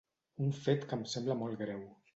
Un fet que em sembla molt greu.